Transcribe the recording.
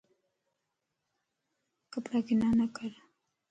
ڪپڙا ڪنا نڪر